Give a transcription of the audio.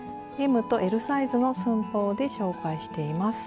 ＭとＬサイズの寸法で紹介しています。